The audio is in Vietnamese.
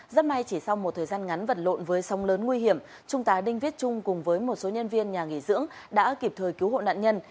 rất may chỉ sau một thời gian ngắn vật lộn với sóng lớn nguy hiểm trung tá đinh viết trung cùng với một số nhân viên nhà nghỉ dưỡng đã kịp thời cứu hộ nạn nhân